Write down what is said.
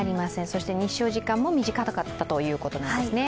そして日照時間も短かったということなんですね。